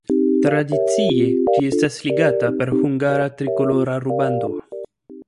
Tradicie ĝi estas ligata per hungara trikolora rubando.